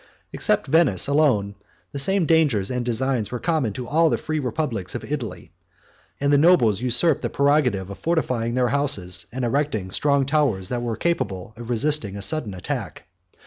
Except Venice alone, the same dangers and designs were common to all the free republics of Italy; and the nobles usurped the prerogative of fortifying their houses, and erecting strong towers, 39 that were capable of resisting a sudden attack.